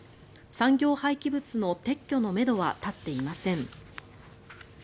産業廃棄物の撤去のめどは立っていません。